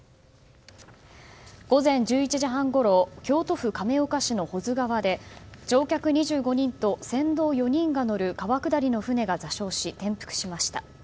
午前１１時半ごろ京都府亀岡市の保津川で乗客２５人と船頭４人が乗る川下りの船が座礁し転覆しました。